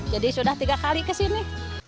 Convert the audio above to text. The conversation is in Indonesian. jadi sudah tiga kali ke sini